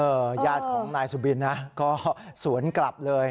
ญาติของนายสุบินนะก็สวนกลับเลย